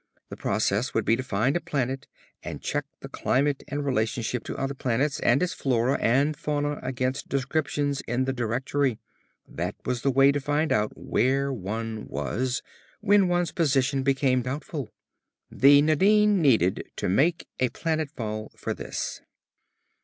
The process would be to find a planet and check its climate and relationship to other planets, and its flora and fauna against descriptions in the Directory. That was the way to find out where one was, when one's position became doubtful. The Nadine needed to make a planet fall for this.